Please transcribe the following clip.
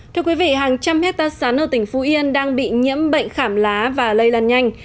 thưa quý vị hàng trăm hectare sắn ở tỉnh phú yên đang bị nhiễm bệnh khảm lá và lây lan nhanh